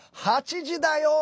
８時だョ！